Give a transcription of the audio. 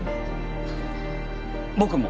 僕も。